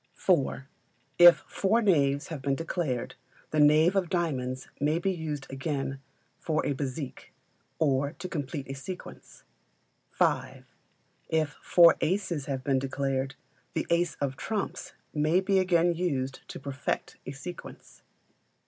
iv. If four knaves have been declared, the knave of diamonds may be used again for a bézique, or to complete a sequence. v. If four aces have been declared, the ace of trumps may he again used to perfect a sequence.